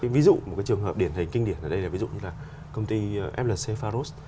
ví dụ một cái trường hợp điển hình kinh điển ở đây là ví dụ như là công ty flc faros